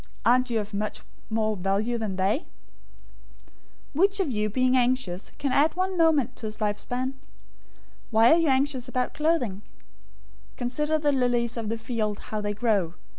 Aren't you of much more value than they? 006:027 "Which of you, by being anxious, can add one moment{literally, cubit} to his lifespan? 006:028 Why are you anxious about clothing? Consider the lilies of the field, how they grow.